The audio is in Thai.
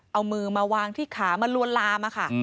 เอามือมาวางที่ขามาลวนลามค่ะ